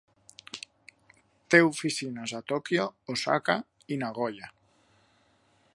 Té oficines a Tòquio, Osaka i Nagoya.